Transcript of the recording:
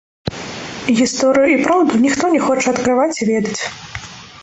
Гісторыю і праўду ніхто не хоча адкрываць і ведаць.